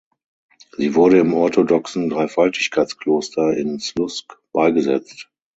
Sie wurde im orthodoxen Dreifaltigkeitskloster in Sluzk beigesetzt.